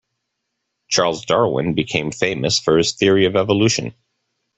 Charles Darwin became famous for his theory of evolution.